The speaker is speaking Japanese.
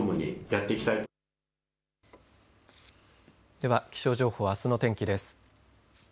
では気象情報、あすの天気です。